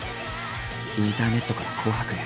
インターネットから「紅白」へ。